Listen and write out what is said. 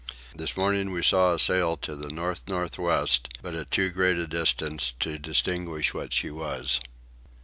This morning we saw a sail to the north north west but at too great a distance to distinguish what she was.